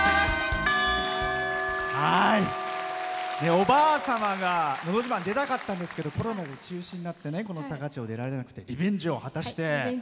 おばあ様が「のど自慢」出たかったんですけどコロナで中止になって坂町で出られなくなってリベンジを果たして。